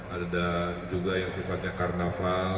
ada juga yang sifatnya karnaval